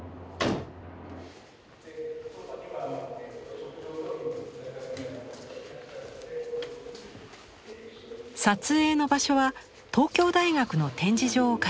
撮影の場所は東京大学の展示場を借りました。